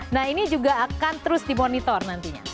nah ini juga akan terus dimonitor nantinya